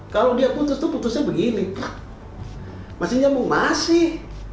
kalau dia putus itu putusnya begini masih nyambung masih